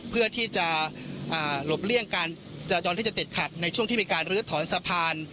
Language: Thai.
เพื่อที่จะหลบเลี่ยงการจราจรที่จะติดขัดในช่วงที่มีการลื้อถอนสะพาน